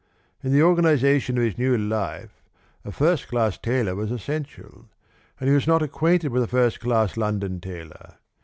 In the organisation of his new life a first class tailor was essential, and he was not acquainted with a first class London tailor.